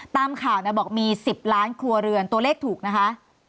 ตามข่าวบอกมี๑๐ล้านครัวเรือนตัวเลขถูกนะคะ